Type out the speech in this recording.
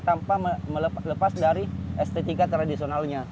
tanpa lepas dari estetika tradisionalnya